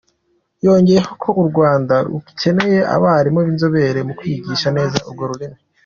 Yongeyeho ko u Rwanda rukeneye abarimu b’inzobere mu kwigisha neza urwo rurimi.